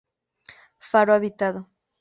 Faro habitado.